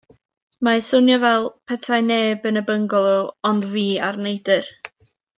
Mae'n swnio fel petai neb yn y byngalo ond fi a'r neidr.